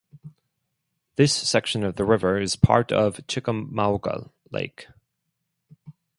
This section of the river is part of Chickamauga Lake.